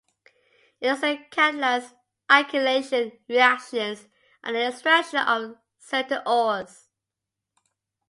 It also catalyzes alkylation reactions and the extraction of certain ores.